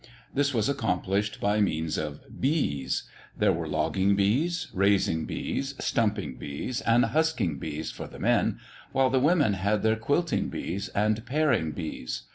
This was accomplished by means of "bees". There were logging bees, raising bees, stumping bees, and husking bees for the men, while the women had their quilting bees and paring bees.